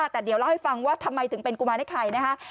แต่เดี๋ยวเล่าให้ฟังว่าทำไมถึงเป็นกุมารให้ใครนะคะ